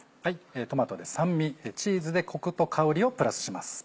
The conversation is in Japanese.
トマトで酸味チーズでコクと香りをプラスします。